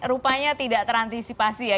rupanya tidak terantisipasi ya